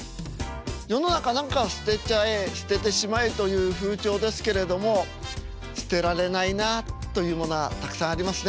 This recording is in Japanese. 世の中何か捨てちゃえ捨ててしまえという風潮ですけれども捨てられないなというものはたくさんありますね。